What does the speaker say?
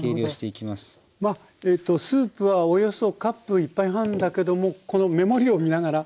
スープはおよそカップ１杯半だけどもこの目盛りを見ながら。